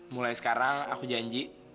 mulai sekarang aku janji